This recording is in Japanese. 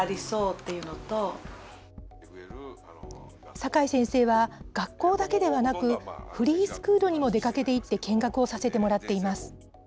阪井先生は、学校だけではなく、フリースクールにも出かけていって見学をさせてもらっています。